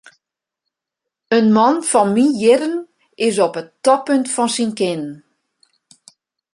In man fan myn jierren is op it toppunt fan syn kinnen.